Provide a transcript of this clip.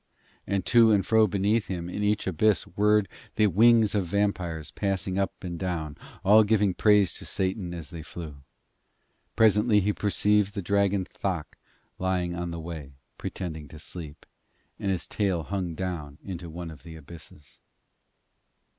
And to and fro beneath him in each abyss whirred the wings of vampires passing up and down, all giving praise to Satan as they flew. Presently he perceived the dragon Thok lying upon the way, pretending to sleep, and his tail hung down into one of the abysses.